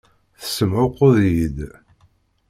Tessemɛuqquḍ-iyi-d.